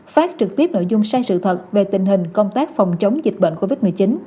phát trực tiếp nội dung sai sự thật về tình hình công tác phòng chống dịch bệnh covid một mươi chín